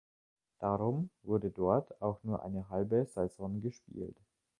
Darum wurde dort auch nur eine halbe Saison gespielt.